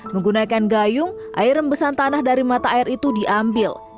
menggunakan gayung air rembesan tanah dari mata air itu diambil